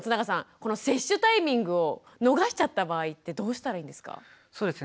この接種タイミングを逃しちゃった場合ってどうしたらいいんですか？